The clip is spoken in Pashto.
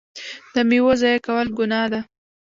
د میوو ضایع کول ګناه ده.